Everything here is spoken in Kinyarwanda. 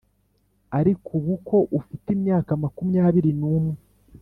ariko ubu ko ufite imyaka makumyabiri n’umwe